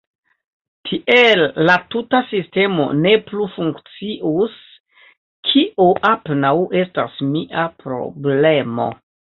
Tiel la tuta sistemo ne plu funkcius – kio apenaŭ estas mia problemo.